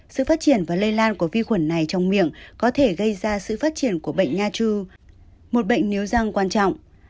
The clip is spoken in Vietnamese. sự phát triển và lây lan của vi khuẩn này trong miệng có thể gây ra sự phát triển của bệnh na chu một bệnh nếu răng quan trọng